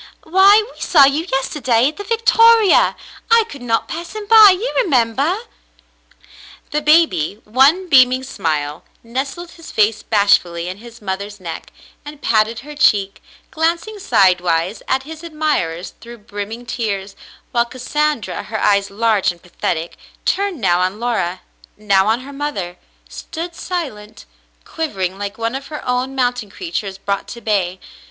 *'Why, we saw you yesterday at the Victoria. I could not pass him by, you remember?" The baby, one beaming smile, nestled his face bashfully in his mother's neck and patted her cheek, glancing side wise at his admirers through brimming tears, while Cas sandra, her eyes large and pathetic, turned now on Laura, now on her mother, stood silent, quivering like one of her own mountain creatures brought to bay.